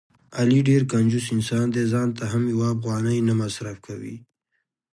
علي ډېر کنجوس انسان دی.ځانته هم یوه افغانۍ نه مصرف کوي.